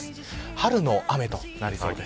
春の雨となりそうです。